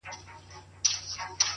ستا د سترگو جام مي د زړه ور مات كـړ~